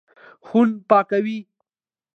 خونه پاکوي.